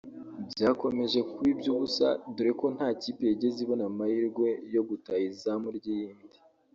Byakomeje kuba iby’ubusa dore ko nta kipe yigeze ibona amahirwe yo gutaha izamu ry’iyindi